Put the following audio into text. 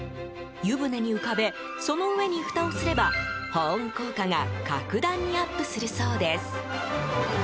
湯船に浮かべその上にふたをすれば保温効果が格段にアップするそうです。